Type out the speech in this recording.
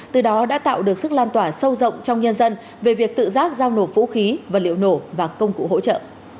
từ đó đã tạo được sức lan tỏa sâu rộng trong nhân dân về việc tự giác giao nộp vũ khí vật liệu nổ và công cụ hỗ trợ